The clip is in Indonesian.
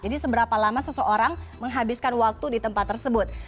jadi seberapa lama seseorang menghabiskan waktu di tempat tersebut